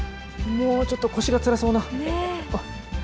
もうちょっと腰がつらそうな。